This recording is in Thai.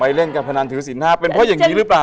เล่นการพนันถือสิน๕เป็นเพราะอย่างนี้หรือเปล่า